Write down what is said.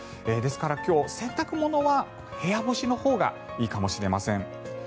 ですから今日、洗濯物は部屋干しのほうがいいかもしれません。